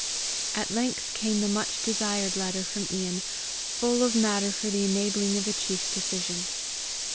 At length came the much desired letter from Ian, full of matter for the enabling of the chief's decision.